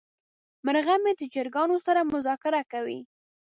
مرغه مې د چرګانو سره مذاکره کوي.